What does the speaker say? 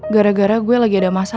gara gara gue lagi ada masalah sama sal